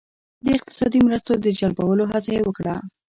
د اقتصادي مرستو د جلبولو هڅه یې وکړه.